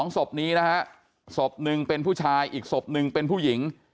๒ศพนี้นะฮะศพหนึ่งเป็นผู้ชายอีกศพหนึ่งเป็นผู้หญิง